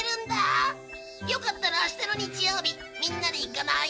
よかったら明日の日曜日みんなで行かない？